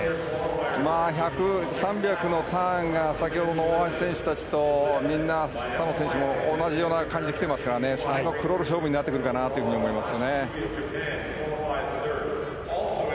１００、３００のターンが先ほどの大橋選手たちとみんな、他の選手も同じような感じできていますから最後はクロール勝負になると思います。